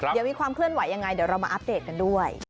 เดี๋ยวมีความเคลื่อนไหวยังไงเดี๋ยวเรามาอัปเดตกันด้วย